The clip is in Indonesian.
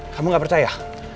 kamu gak percaya